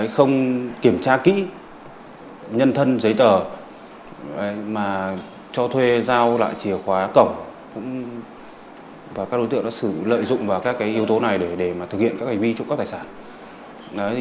không kiểm tra kỹ nhân thân giấy tờ mà cho thuê giao lại chìa khóa cổng và các đối tượng đã sử lợi dụng vào các yếu tố này để thực hiện các hành vi trộm cắp tài sản